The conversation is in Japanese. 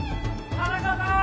田中さーん